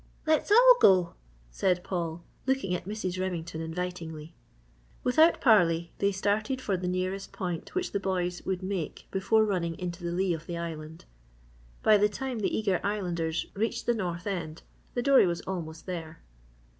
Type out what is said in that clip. "Let's all go," said Paul, looking at Mrs. Remington invitingly. Without parley they started for the nearest point which the boys would make before running into the lee of the island. By the time the eager Islanders reached the north end the dory was almost there.